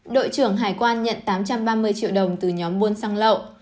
đội trưởng hải quan nhận tám trăm ba mươi triệu đồng từ nhóm buôn xăng lậu